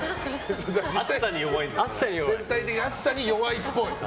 全体的に熱さに弱いっぽい。